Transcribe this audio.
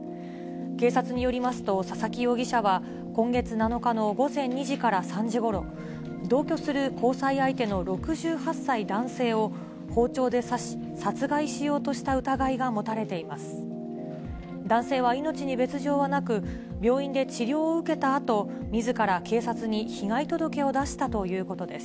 警察によりますと佐々木容疑者は、今月７日の午前２時から３時ごろ、同居する交際相手の６８歳男性を包丁で刺し、殺害しようとした疑いが持たれています。